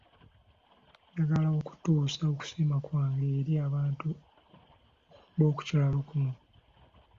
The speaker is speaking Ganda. Njagala okutuusa okusiima kwange eri abantu b'okukyalo kuno.